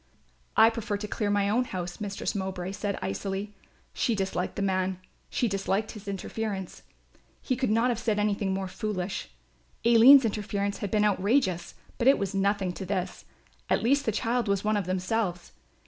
"I prefer to clear my own house," Mistress Mowbray said icily. She disliked the man, she disliked his interference. He could not have said anything more foolish. Aline's interference had been outrageous, but it was nothing to this; at least the child was one of themselves.